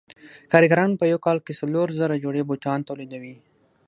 کارګران په یو کال کې څلور زره جوړې بوټان تولیدوي